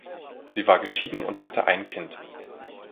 Sie war geschieden und hatte ein Kind.